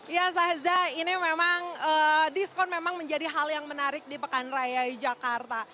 ya saya zah ini memang diskon memang menjadi hal yang menarik di pekaraya jakarta